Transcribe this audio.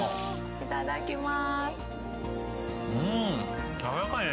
いただきます。